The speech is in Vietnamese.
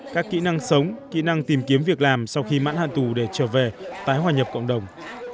các kỹ năng sống kỹ năng tìm kiếm việc làm sau khi mãn hạn tù để trở về tái hòa nhập cộng đồng